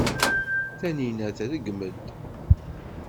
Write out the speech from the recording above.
Taninna tṛeggem-d.